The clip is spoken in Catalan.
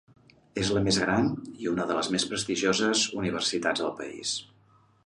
És la més gran, i una de les més prestigioses Universitats del país.